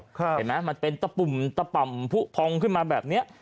เห็นไหมมันเป็นตะปุ่มตะป่ำผู้พองขึ้นมาแบบนี้